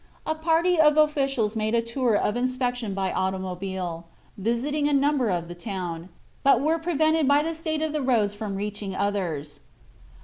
A party of officials made a tour of inspection by automobile, visiting a number of the town, but were prevented by the state of the roads from reaching others.